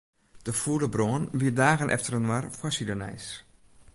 De fûle brân wie dagen efterinoar foarsidenijs.